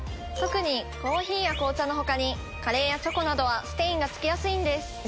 特にコーヒーや紅茶のほかにカレーやチョコなどはステインがつきやすいんです。